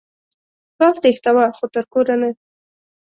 غل تېښتوه خو تر کوره نه